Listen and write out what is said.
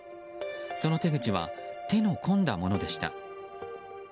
その手口は手の込んだものでした。